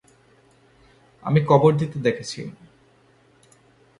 আমি কবর দিতে দেখেছি।